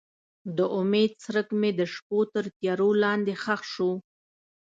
د امید څرک مې د شپو تر تیارو لاندې ښخ شو.